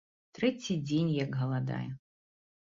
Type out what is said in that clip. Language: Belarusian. Трэці дзень, як галадае.